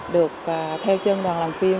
được theo chân đoàn làm phim